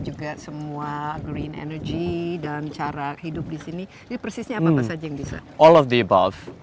juga semua green energy dan cara hidup di sini di persisnya apa saja yang bisa all of the above